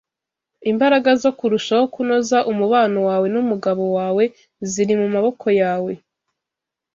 Imbaraga zo kurushaho kunoza umubano wawe numugabo wawe ziri mumaboko yawe